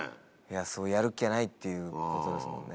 やるっきゃないっていうことですもんね。